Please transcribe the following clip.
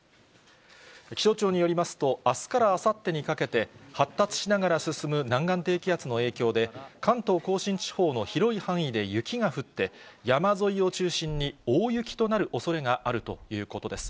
気象庁によりますと、あすからあさってにかけて、発達しながら進む南岸低気圧の影響で、関東甲信地方の広い範囲で雪が降って、山沿いを中心に大雪となるおそれがあるということです。